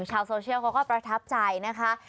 ชาวโซเชียลเขาก็ประทับใจนะคะ